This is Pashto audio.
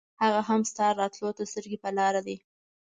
هغه هم ستا راتلو ته سترګې پر لار دی.